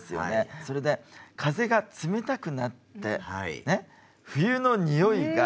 それで風が冷たくなってね冬の匂いがね